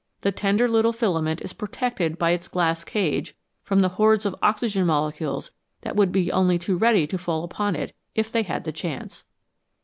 The tender little filament is protected by its glass cage from the hordes of oxygen molecules that would be only too ready to fall upon it if they had the chance.